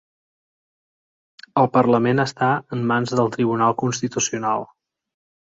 El parlament està en mans del Tribunal Constitucional